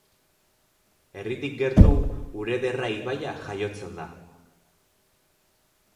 Herritik gertu, Urederra ibaia jaiotzen da.